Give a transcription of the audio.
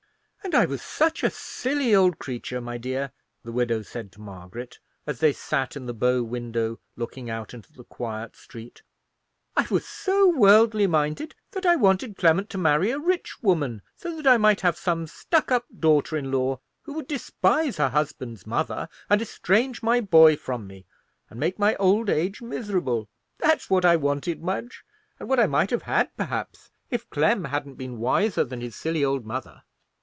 "And I was such a silly old creature, my dear," the widow said to Margaret, as they sat in the bow window looking out into the quiet street; "I was so worldly minded that I wanted Clement to marry a rich woman, so that I might have some stuck up daughter in law, who would despise her husband's mother, and estrange my boy from me, and make my old age miserable. That's what I wanted, Madge, and what I might have had, perhaps, if Clem hadn't been wiser than his silly old mother.